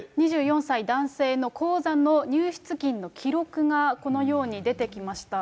２４歳男性の口座の入出金の記録がこのように出てきました。